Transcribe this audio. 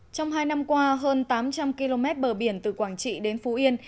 trong hai năm qua hơn tám trăm linh km bờ biển từ quảng trị đến phú yên